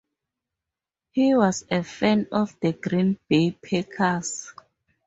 He was a fan of the Green Bay Packers.